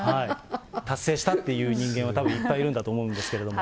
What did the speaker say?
達成したっていう人間はたぶんいっぱいいるんだと思うんですけれども。